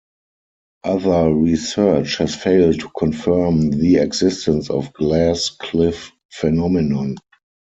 Other research has failed to confirm the existence of glass cliff phenomenon.